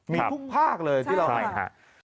มีทุกภาคเลยที่เราเห็น